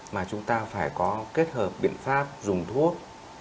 mà chúng ta phải có kết hợp biện pháp dùng thuốc